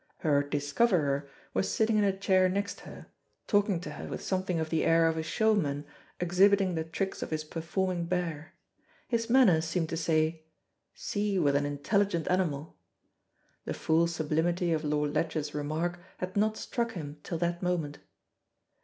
Her "discoverer" was sitting in a chair next her, talking to her with something of the air of a showman exhibiting the tricks of his performing bear. His manner seemed to say, "See what an intelligent animal." The full sublimity of Lord Ledgers' remark had not struck him till that moment.